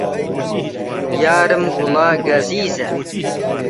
یارم گوڵە گەزیزە